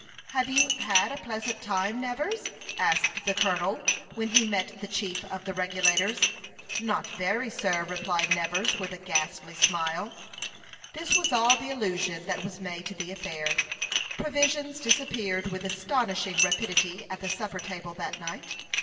"Have you had a pleasant time, Nevers?" asked the colonel, when he met the chief of the Regulators. "Not very, sir," replied Nevers, with a ghastly smile. This was all the allusion that was made to the affair. Provisions disappeared with astonishing rapidity at the supper table that night.